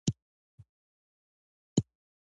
دې ذهنیت ته د دروني ستونزو د حل لاره معلومه نه ده.